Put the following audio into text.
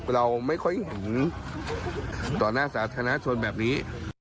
เราไม่ค่อยเห็นต่อหน้าสาธารณชนแบบนี้